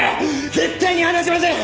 絶対に離しません！